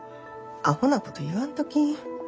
アホなこと言わんとき！